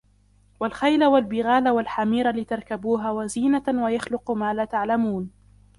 وَالْخَيْلَ وَالْبِغَالَ وَالْحَمِيرَ لِتَرْكَبُوهَا وَزِينَةً وَيَخْلُقُ مَا لَا تَعْلَمُونَ